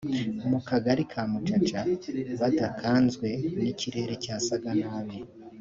mu kagari ka Mucaca badakanzwe n’ikirere cyasaga nabi